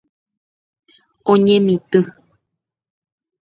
Oñemitỹ.